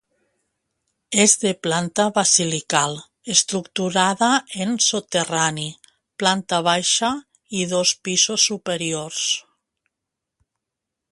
És de planta basilical, estructurada en soterrani, planta baixa i dos pisos superiors.